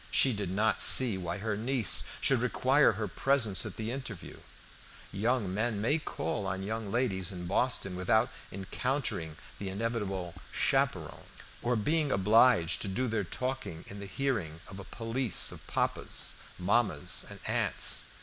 She did not see why her niece should require her presence at the interview; young men may call on young ladies in Boston without encountering the inevitable chaperon, or being obliged to do their talking in the hearing of a police of papas, mammas, and aunts.